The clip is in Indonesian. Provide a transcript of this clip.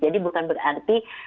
jadi bukan berarti